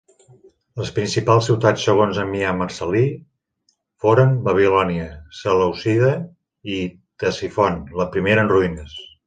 Les principals ciutats segons Ammià Marcel·lí foren Babilònia, Selèucida i Ctesifont, la primera en ruïnes.